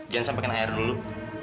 jangan sampekan air dulu